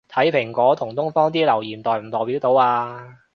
睇蘋果同東方啲留言代唔代表到吖